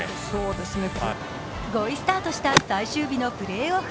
５位スタートした最終日のプレーオフ。